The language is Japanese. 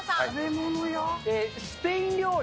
スペイン料理。